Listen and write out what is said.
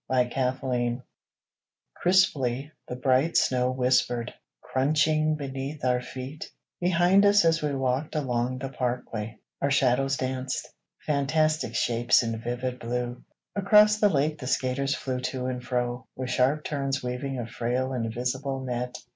A WINTER BLUEJAY CRISPLY the bright snow whispered, Crunching beneath our feet; Behind us as we walked along the parkway, Our shadows danced, Fantastic shapes in vivid blue. Across the lake the skaters Flew to and fro, With sharp turns weaving A frail invisible net.